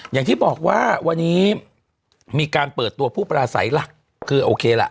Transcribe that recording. อย่างที่บอกว่าวันนี้มีการเปิดตัวผู้ปราศัยหลักคือโอเคล่ะ